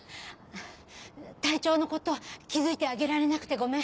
体調のこと気付いてあげられなくてごめん。